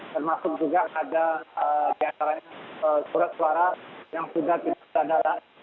termasuk juga ada di antara surat suara